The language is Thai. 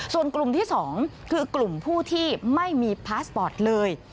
ส่วนกลุ่มที่๒คือกลุ่มผู้ที่ไม่มีพาสปอร์ตเลย